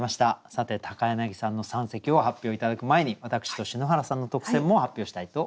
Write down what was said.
さて柳さんの三席を発表頂く前に私と篠原さんの特選も発表したいと思います。